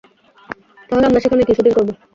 তাহলে আমরা সেখানে কি শুটিং করবো?